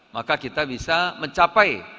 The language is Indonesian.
maka kita bisa mencapai